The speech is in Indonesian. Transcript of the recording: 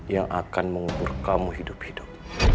yang akan mengukur kamu hidup hidup